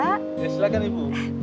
ya silahkan ibu